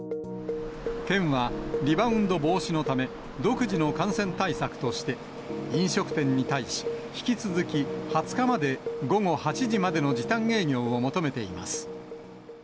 県は、リバウンド防止のため、独自の感染対策として、飲食店に対し、引き続き２０日まで、午後８時までの時短営業を求めています。